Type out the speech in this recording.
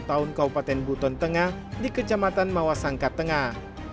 pada tahun tahun kaupaten buton tengah di kejamatan mawasangka tengah